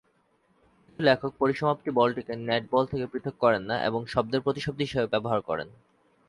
কিছু লেখক পরিসমাপ্তি বলটিকে নেট বল থেকে পৃথক করেন না এবং শব্দের প্রতিশব্দ হিসাবে ব্যবহার করেন।